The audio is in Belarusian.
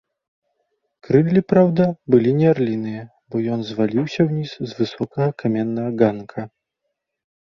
Крыллі, праўда, былі не арліныя, бо ён зваліўся ўніз з высокага каменнага ганка.